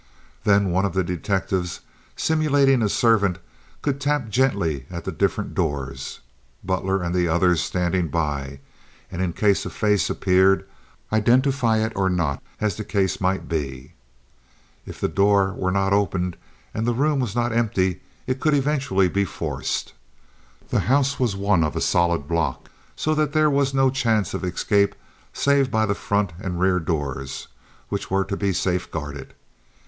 Then one of the detectives simulating a servant could tap gently at the different doors—Butler and the others standing by—and in case a face appeared identify it or not, as the case might be. If the door was not opened and the room was not empty, it could eventually be forced. The house was one of a solid block, so that there was no chance of escape save by the front and rear doors, which were to be safe guarded.